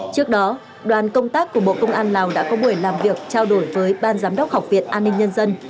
trước đó đoàn công tác của bộ công an lào đã có buổi làm việc trao đổi với ban giám đốc học viện an ninh nhân dân